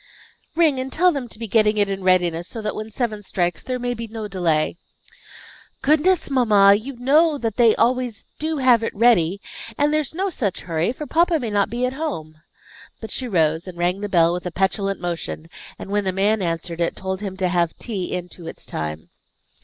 "Ring, and tell them to be getting it in readiness so that when seven strikes there may be no delay." "Goodness, mamma! You know they do always have it ready. And there's no such hurry, for papa may not be at home." But she rose, and rang the bell with a petulant motion, and when the man answered it, told him to have tea in to its time.